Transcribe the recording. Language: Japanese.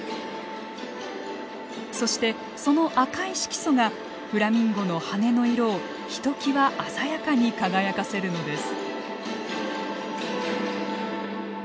そしてその赤い色素がフラミンゴの羽根の色をひときわ鮮やかに輝かせるのです。